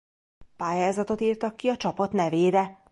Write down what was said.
Pályázatot írtak ki a csapat nevére.